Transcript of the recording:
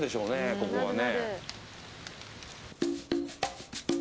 ここはね。